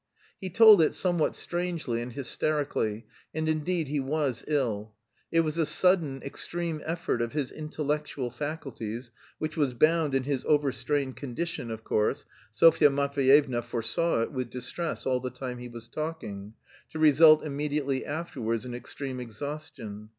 He told it somewhat strangely and hysterically, and indeed he was ill. It was a sudden, extreme effort of his intellectual faculties, which was bound in his overstrained condition, of course Sofya Matveyevna foresaw it with distress all the time he was talking to result immediately afterwards in extreme exhaustion.